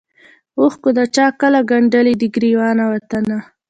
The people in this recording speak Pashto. اوښکو د چا کله ګنډلی دی ګرېوان وطنه